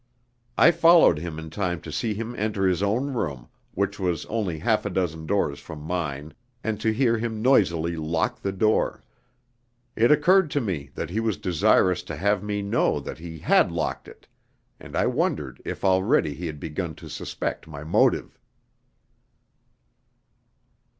I followed him in time to see him enter his own room, which was only half a dozen doors from mine, and to hear him noisily lock the door. It occurred to me that he was desirous to have me know that he had locked it, and I wondered if already he had begun to suspect my motive.